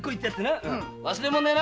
忘れ物ねえな！